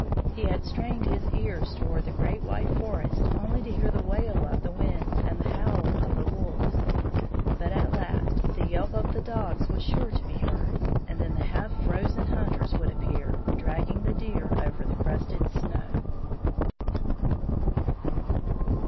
He had strained his ears toward the great white forest only to hear the wail of the winds and the howl of the wolves. But at last the yelp of the dogs was sure to be heard, and then the half frozen hunters would appear, dragging the deer over the crusted snow.